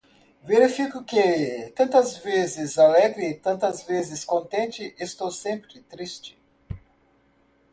Verifico que, tantas vezes alegre, tantas vezes contente, estou sempre triste.